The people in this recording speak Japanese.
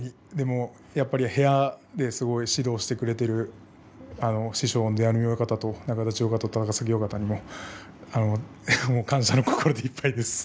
やっぱり部屋で指導してくれている師匠の出羽海親方と中立親方と感謝の心でいっぱいです。